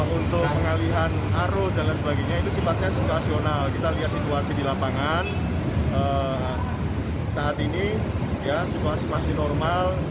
untuk pengalihan aro dan lain sebagainya itu sifatnya situasional kita lihat situasi di lapangan saat ini situasi masih normal